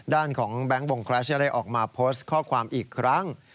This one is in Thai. ด้านของแบงค์วงแครชได้ออกมาโพสต์ข้อความอีกครั้ง